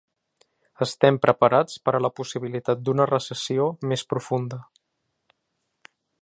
Estem preparats per a la possibilitat d’una recessió més profunda.